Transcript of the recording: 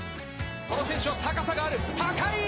この選手は高さがある高い！